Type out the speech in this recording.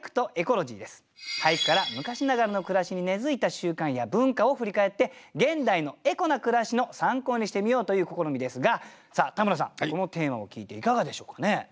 俳句から昔ながらの暮らしに根づいた習慣や文化を振り返って現代のエコな暮らしの参考にしてみようという試みですが田村さんこのテーマを聞いていかがでしょうかね？